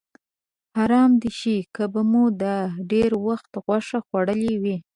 حرامه دې شي که به مو دا ډېر وخت غوښه خوړلې وي.